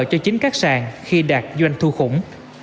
cho chính các sàn khi đạt doanh thu khủng